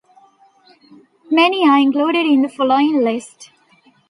Many are included in the following list.